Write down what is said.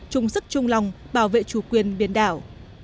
trung sức trung lòng bảo vệ chủ quyền biển đảo